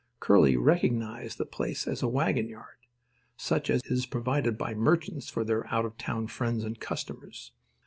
Curly recognised the place as a wagon yard, such as is provided by merchants for their out of town friends and customers.